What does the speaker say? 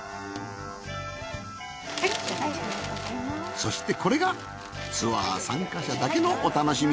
そしてこれがツアー参加者だけのお楽しみ